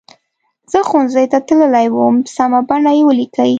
زه ښوونځي ته تللې وم سمه بڼه یې ولیکئ.